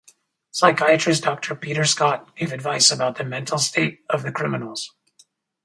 Psychiatrist Doctor Peter Scott gave advice about the mental state of the criminals.